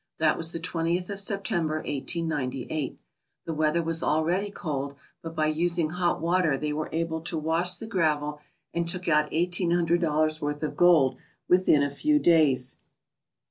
That was the twentieth of September, 1898. The weather was already cold, but by using hot water they were able to wash the gravel, and took out eighteen hundred dollars' worth of gold within a few days.